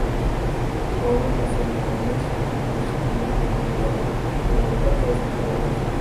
Owen nació en Coventry, Warwickshire, Inglaterra, como el cuarto de cinco hermanos.